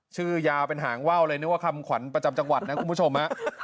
ชื่อยาวเป็นหางว่าวเลยนึกว่าคำขวัญประจำจังหวัดนะคุณผู้ชม